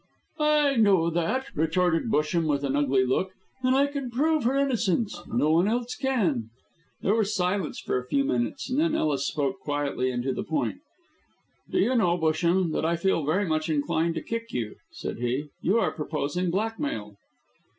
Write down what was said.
"I know that," retorted Busham, with an ugly look, "and I can prove her innocence. No one else can." There was a silence for a few minutes, and then Ellis spoke quietly and to the point. "Do you know, Busham, that I feel very much inclined to kick you," said he. "You are proposing blackmail."